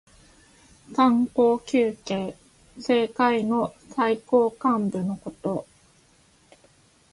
三公九卿。政界の最高幹部のこと。